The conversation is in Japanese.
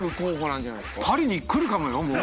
パリに来るかもよ？